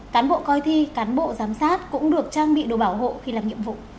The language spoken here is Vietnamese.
cán bộ coi thi cán bộ giám sát cũng được trang bị đồ bảo hộ khi làm nhiệm vụ